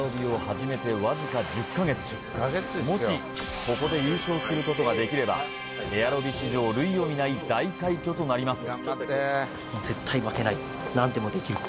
もしここで優勝することができればエアロビ史上類を見ない大快挙となります